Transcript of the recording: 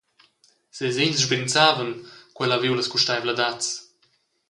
Ses egls sbrinzlavan, cu el ha viu las custeivladads.